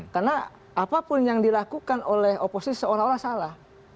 karena apapun yang dilakukan oleh oposisi seolah olah salah